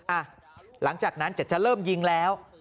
หลังจากนั้นจะเริ่มยิงแล้ว